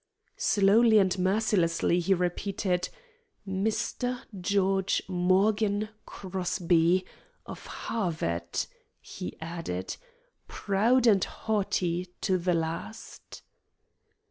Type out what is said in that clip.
Slowly and mercilessly he repeated, "Mr. George Morgan Crosby. Of Harvard," he added. "Proud and haughty to the last."